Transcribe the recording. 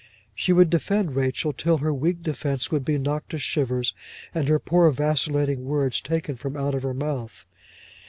She would defend Rachel, till her weak defence would be knocked to shivers, and her poor vacillating words taken from out of her mouth.